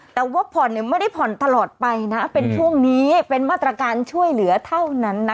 แต่ว่าผ่อนเนี่ยไม่ได้ผ่อนตลอดไปนะเป็นช่วงนี้เป็นมาตรการช่วยเหลือเท่านั้นนะ